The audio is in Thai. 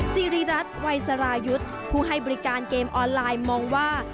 ซีริรัตน์วัยสรายุทธ์ผู้ให้บริการเกมออนไลน์มองว่า